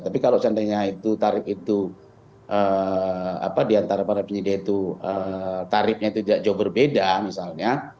tapi kalau seandainya itu tarif itu diantara para penyedia itu tarifnya itu tidak jauh berbeda misalnya